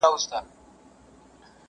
ما یې له منبره د بلال ږغ اورېدلی دی .!